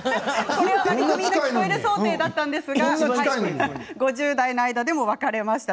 これは、みんな聞こえる想定だったんですが５０代の間でも分かれました。